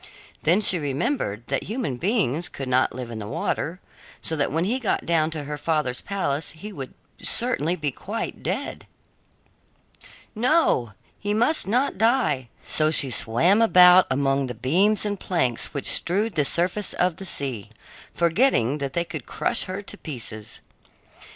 Then she remembered that human beings could not live in the water, so that when he got down to her father's palace he would certainly be quite dead. No, he must not die! So she swam about among the beams and planks which strewed the surface of the sea, forgetting that they could crush her to pieces.